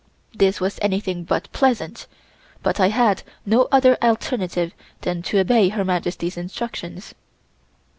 This was anything but pleasant, but I had no other alternative than to obey Her Majesty's instructions.